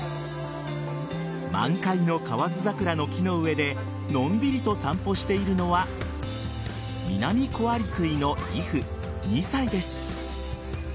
満開の河津桜の木の上でのんびりと散歩しているのはミナミコアリクイのイフ２歳です。